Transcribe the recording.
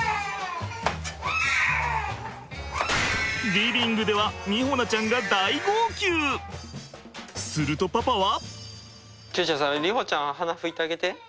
リビングでは美穂菜ちゃんがするとパパは。